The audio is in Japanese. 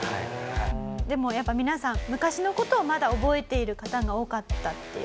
でもやっぱ皆さん昔の事をまだ覚えている方が多かったっていう。